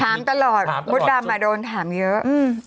ถามตลอดมดดำโดนถามเยอะ